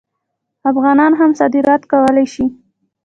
افغانان هم صادرات کولی شي.